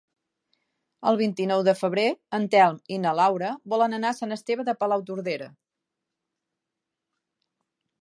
El vint-i-nou de febrer en Telm i na Laura volen anar a Sant Esteve de Palautordera.